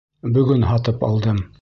Бөгөн һатып алдым.